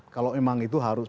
kalau memang itu harus